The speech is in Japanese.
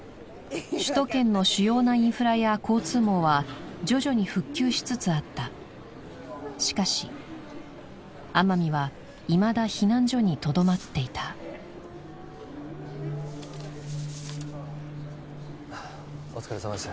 首都圏の主要なインフラや交通網は徐々に復旧しつつあったしかし天海はいまだ避難所にとどまっていたお疲れさまです